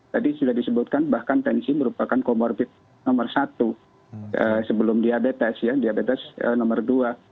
tadi sudah disebutkan bahkan pensi merupakan komorbid nomor satu sebelum diabetes diabetes nomor dua